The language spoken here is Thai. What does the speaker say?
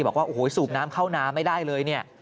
บอกว่าสูบน้ำเข้าน้ำไม่ได้เลย